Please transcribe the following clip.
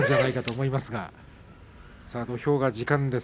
土俵が時間です。